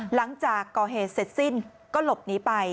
หลังจากก่อเหตุเสร็จสิ้นก็หลบหนีไป